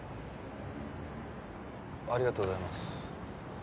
ありがとうございます。